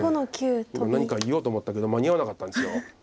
今何か言おうと思ったけど間に合わなかったんです。